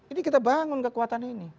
ini kita bangun kekuatan ini